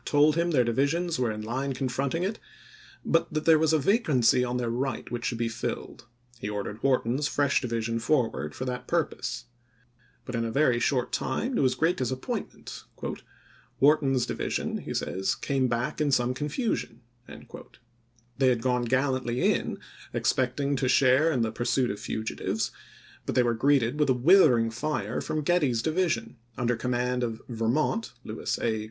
told him their divisions were in line confronting it, but that there was a vacancy on their right which should be filled ; he ordered Wharton's fresh divi sion forward for that purpose. But in a very short « Memoir of time, to his great disappointment, "Wharton's di YeSroftLe vision," he says, "came back in some confusion." p. us. They had gone gallantly in, expecting to share in the pursuit of fugitives, but they were greeted with a withering fire from Getty's division — under command of "Vermont " [Lewis A.